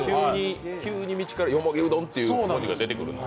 急に道から、よもぎうどんっていうのが出てくるんだ。